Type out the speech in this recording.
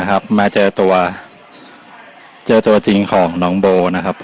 อันอะไรนะครับ